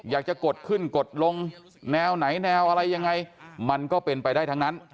กดขึ้นกดลงแนวไหนแนวอะไรยังไงมันก็เป็นไปได้ทั้งนั้น